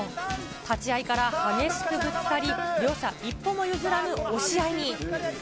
立ち合いから激しくぶつかり、両者一歩も譲らぬ押し合いに。